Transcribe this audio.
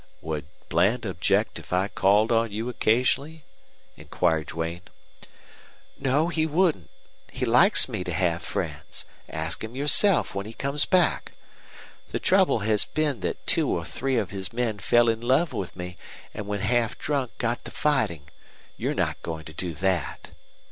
"Would Bland object if I called on you occasionally?" inquired Duane. "No, he wouldn't. He likes me to have friends. Ask him yourself when he comes back. The trouble has been that two or three of his men fell in love with me, and when half drunk got to fighting. You're not going to do that."